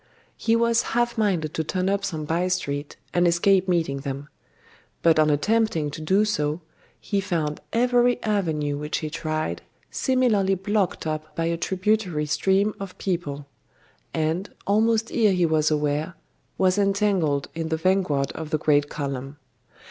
He was half minded to turn up some by street, and escape meeting them. But on attempting to do so, he found every avenue which he tried similarly blocked up by a tributary stream of people; and, almost ere he was aware, was entangled in the vanguard of the great column.